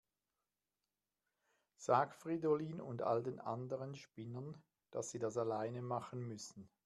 Sag Fridolin und all den anderen Spinnern, dass sie das alleine machen müssen.